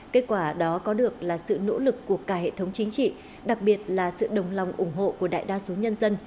kết quả đó có được là sự nỗ lực của cả hệ thống chính trị đặc biệt là sự đồng lòng ủng hộ của đại đa số nhân dân